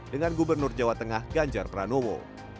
dengan gubernur jawa tengah ganjar pranowo